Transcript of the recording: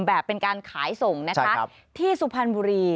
แบบเป็นการขายส่งนะคะที่สุพรรณบุรี